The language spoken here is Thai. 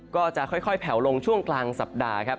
ก็จะค่อยแผ่วลงช่วงกลางสัปดาห์ครับ